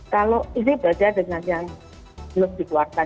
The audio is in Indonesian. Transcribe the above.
kalau ini beda dengan yang belum dikeluarkan